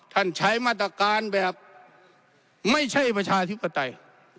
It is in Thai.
ใช้มาตรการแบบไม่ใช่ประชาธิปไตย